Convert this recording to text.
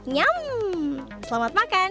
nyam selamat makan